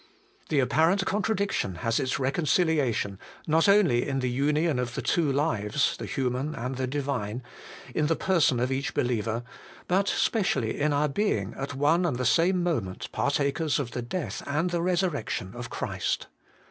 The apparent contradiction has its reconciliation, not only in the union of the two lives, the human and the Divine, in the person of each believer, but specially in our being, at one and the same moment, partakers of the death and the resurrection of Christ.